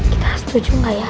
kita setuju gak ya